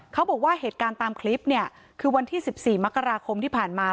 เขาบอกว่าเหตุการณ์ตามคลิปเนี่ยคือวันที่๑๔มกราคมที่ผ่านมา